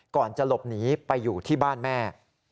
ก่อนจะหลบหนีไปอยู่ที่บ้านแม่